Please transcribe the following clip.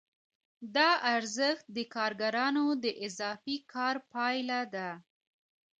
دا ارزښت د کارګرانو د اضافي کار پایله ده